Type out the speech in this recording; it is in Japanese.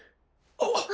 あっ。